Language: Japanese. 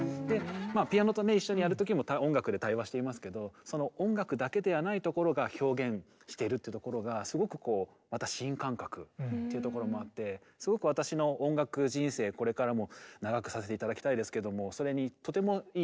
まあピアノとね一緒にやる時も音楽で対話していますけどその音楽だけではないところが表現してるっていうところがすごくこうまた新感覚っていうところもあってすごく私の音楽人生これからも長くさせて頂きたいですけどもそれにとてもいい刺激を与えてくれた時間でしたね。